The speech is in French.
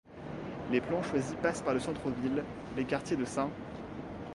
Les plans choisis passent par le centre-ville, les quartiers de St.